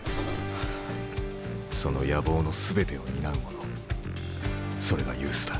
その野望の全てを担う者それがユースだ。